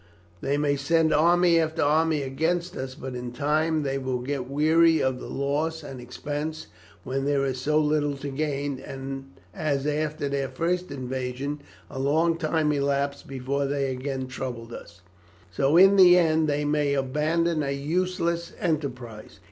They may send army after army against us, but in time they will get weary of the loss and expense when there is so little to gain, and as after their first invasions a long time elapsed before they again troubled us, so in the end they may abandon a useless enterprise.